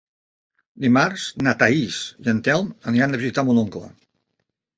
Dimarts na Thaís i en Telm aniran a visitar mon oncle.